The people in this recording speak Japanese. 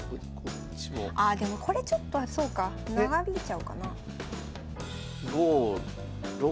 ああでもこれちょっとそうか長引いちゃうかな。